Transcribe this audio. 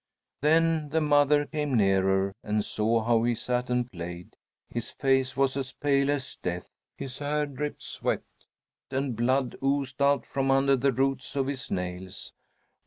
Then the mother came nearer and saw how he sat and played. His face was as pale as death, his hair dripped sweat, and blood oozed out from under the roots of his nails.